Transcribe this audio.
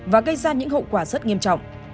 và gây ra những hậu quả rất nghiêm trọng